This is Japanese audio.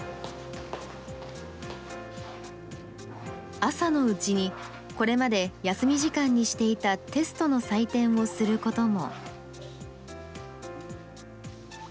朝のうちにこれまで休み時間にしていたテストの採点をすることも。